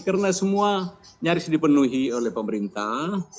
karena semua nyaris dipenuhi oleh pemerintah